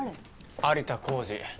有田浩次。